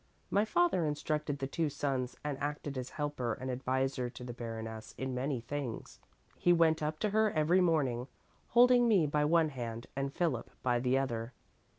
My father instructed the two sons and acted as helper and adviser to the Baroness in many things. He went up to her every morning, holding me by one hand and Philip by the other.